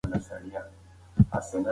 رسول ﷺ د ښځو پوښتنو ته ځوابونه ورکول.